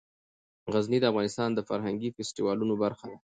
غزني د افغانستان د فرهنګي فستیوالونو برخه ده.